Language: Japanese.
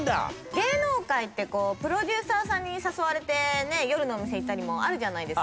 芸能界ってこうプロデューサーさんに誘われて夜のお店行ったりもあるじゃないですか。